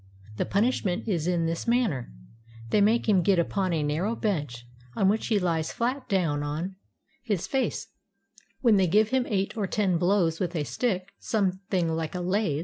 The pun ishment is in this manner : They make him get upon a narrow bench, on which he lies down flat on his face, when they give him eight or ten blows with a stick some thing like a lath.